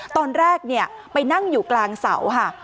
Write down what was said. ตอนแรกไปนั่งอยู่กลางเสาค่ะ